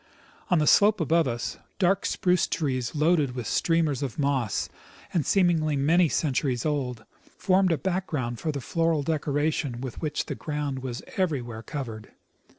On the slope above us, dark spruce trees loaded with streamers of moss, and seemingly many centuries old, formed a background for the floral decoration with which the ground was everywhere covered.